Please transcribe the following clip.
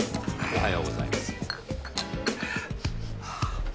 おはようございます。